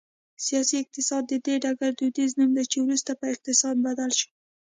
سیاسي اقتصاد د دې ډګر دودیز نوم دی چې وروسته په اقتصاد بدل شو